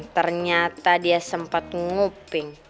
ternyata dia sempat nguping